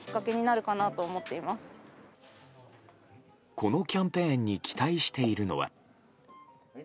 このキャンペーンに期待しているのは。